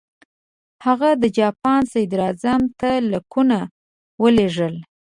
هغه د جاپان صدراعظم ته لیکونه ولېږل.